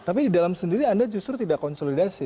tapi di dalam sendiri anda justru tidak konsolidasi